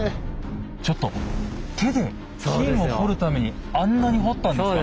ちょっと手で金を掘るためにあんなに掘ったんですか？